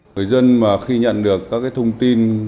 người dân mà khi nhận được các thông tin